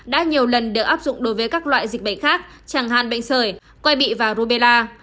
đã nhiều lần được áp dụng đối với các loại dịch bệnh khác chẳng hạn bệnh sởi quay bị vào rubella